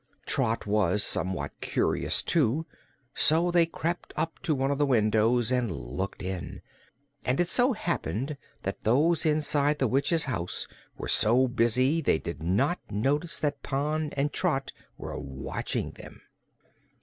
Trot was somewhat curious, too, so they crept up to one of the windows and looked in, and it so happened that those inside the witch's house were so busy they did not notice that Pon and Trot were watching them.